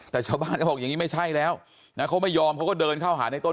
แต่ชาวบ้านเขาบอกอย่างนี้ไม่ใช่แล้วนะเขาไม่ยอมเขาก็เดินเข้าหาในต้น